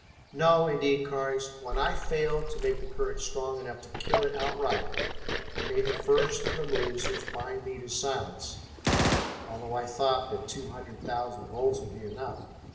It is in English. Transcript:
No, indeed, Carnes, when I failed to make the current strong enough to kill it outright I made the first of the moves which bind me to silence, although I thought that two hundred thousand volts would be enough.